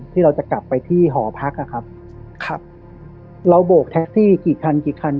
ที่เราจะกลับไปที่หอพักอ่ะครับครับเราโบกแท็กซี่กี่คันกี่คัน